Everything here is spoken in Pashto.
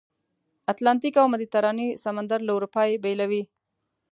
اتلانتیک او مدیترانې سمندر له اروپا یې بېلوي.